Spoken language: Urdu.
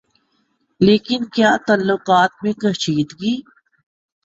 لیکن کیا تعلقات میں کشیدگی